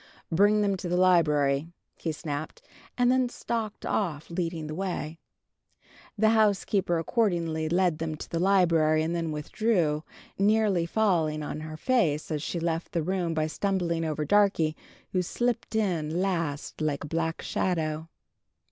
Bring them to the library," he snapped, and then stalked off, leading the way. The housekeeper accordingly led them to the library, and then withdrew, nearly falling on her face as she left the room by stumbling over Darkie, who slipped in last like a black shadow.